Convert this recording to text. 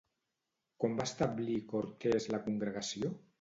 Quan va establir Cortés la congregació?